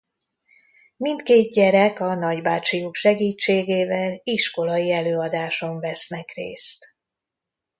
Mindkét gyerek a nagybácsijuk segítségével iskolai előadáson vesznek részt.